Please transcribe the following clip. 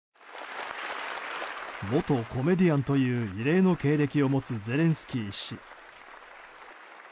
元コメディアンという異例の経歴を持つゼレンスキー氏。